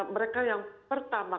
mereka yang pertama